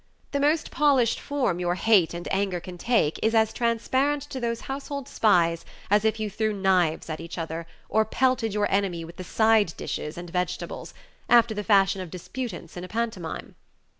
The most polished form your hate and anger can take is as transparent to those household spies as if you threw knives at each other, or pelted your enemy with the side dishes and vegetables, after the fashion of disputants in a pantomime.